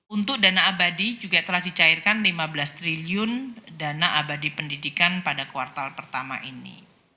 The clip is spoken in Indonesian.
untuk dana abadi juga telah dicairkan lima belas triliun dana abadi pendidikan pada kuartal pertama ini